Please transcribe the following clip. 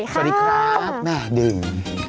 สวัสดีครับแม่ดึง